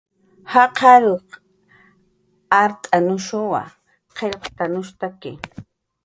Jaqar aruq art'anushuwa, qillqt'anushuwa